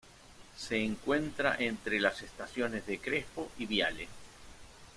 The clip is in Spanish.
Se encuentra entre las estaciones de Crespo y Viale.